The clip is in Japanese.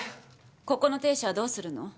ここの亭主はどうするの？